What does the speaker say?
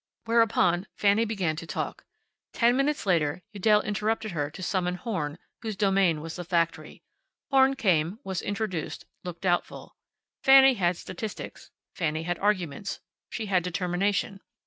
Whereupon Fanny began to talk. Ten minutes later Udell interrupted her to summon Horn, whose domain was the factory. Horn came, was introduced, looked doubtful. Fanny had statistics. Fanny had arguments. She had determination.